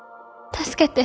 助けて。